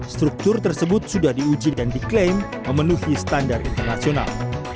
struktur tersebut sudah diuji dan diklaim memenuhi standar internasional